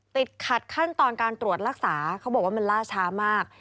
ติดขัดขั้นตอนการตรวจรักษาเขาบอกว่ามันล่าช้ามาก